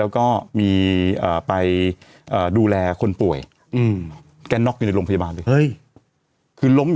ก็มีไปดูแลคนป่วยแกน๊อกอยู่ในโรงพยาบาลเลย